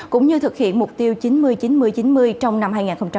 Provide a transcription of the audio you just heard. cũng như thực hiện mục tiêu chín mươi chín mươi chín mươi trong năm hai nghìn hai mươi